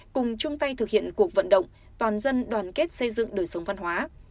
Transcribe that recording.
cùng chung tay thực hiện cuộc vận động toàn dân đoàn kết xây dựng đời sống văn hóa